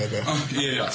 いやいや。